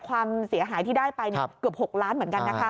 ความเสียหายที่ได้ไปเกือบ๖ล้านเหมือนกันนะคะ